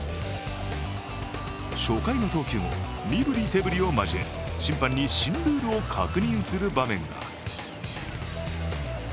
初回の投球後、身振り手振りを交え審判に新ルールを確認する場面が。